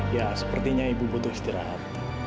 ya sepertinya ibu butuh istirahat